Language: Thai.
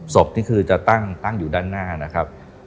ศพนี่คือจะตั้งอยู่ด้านหน้านะครับ